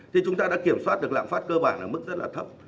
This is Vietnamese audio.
thì chúng ta đã kiểm soát được lạm phát cơ bản ở mức rất là thấp